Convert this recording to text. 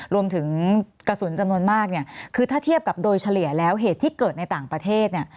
รวมถึงกระสุนจำนวนมากเนี่ยคือถ้าเทียบกับโดยเฉลี่ยแล้วเหตุที่เกิดในต่างประเทศเนี่ย